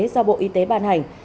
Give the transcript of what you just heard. do bộ y tế ban hành